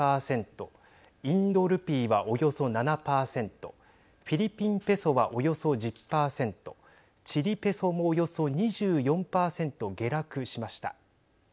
インドルピーは、およそ７％フィリピンペソは、およそ１０％チリペソも、およそ２４％下落しました。